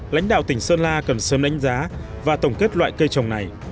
lãnh đạo tỉnh sơn la cần sớm đánh giá và tổng kết loại cây trồng này